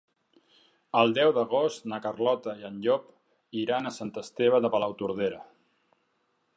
El deu d'agost na Carlota i en Llop iran a Sant Esteve de Palautordera.